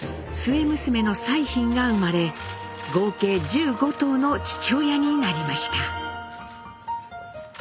末娘の彩浜が生まれ合計１５頭の父親になりました。